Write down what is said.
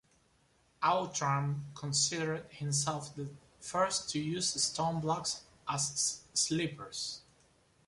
Outram considered himself the first to use stone blocks as sleepers.